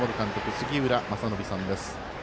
杉浦正則さんです。